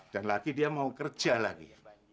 dan lagi dia mau kerja lagi